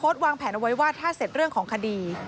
ส่วนอนาคตวางแผนไว้ว่าถ้าเสร็จเรื่องของคดี